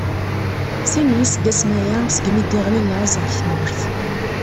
Sin n iseggasen aya segmi i d-iɣli laẓ ɣef tmurt.